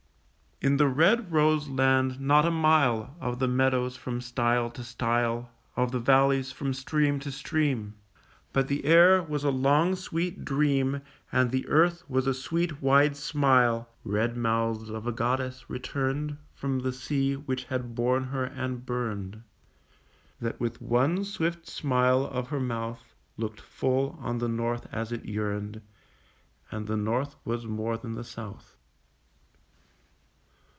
In the red rose land not a mile Of the meadows from stile to stile, Of the valleys from stream to stream, But the air was a long sweet dream And the earth was a sweet wide smile Red mouthed of a goddess, returned From the sea which had borne her and burned, That with one swift smile of her mouth Looked full on the north as it yearned, And the north was more than the south.